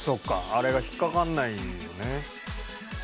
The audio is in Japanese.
あれが引っ掛かんないのね。